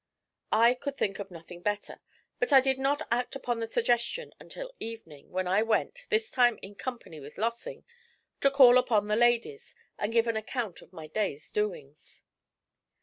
I could think of nothing better, but I did not act upon the suggestion until evening, when I went, this time in company with Lossing, to call upon the two ladies and give an account of my day's doings.